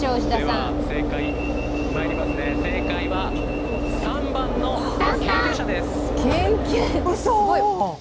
正解は３番の研究者です。